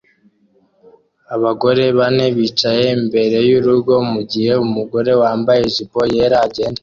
Abagore bane bicaye imbere y'urugo mugihe umugore wambaye ijipo yera agenda